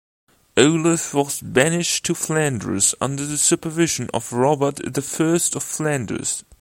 Olaf was banished to Flanders, under the supervision of Robert the First of Flanders.